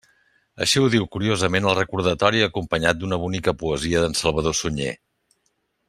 Així ho diu curiosament el recordatori acompanyat d'una bonica poesia d'en Salvador Sunyer.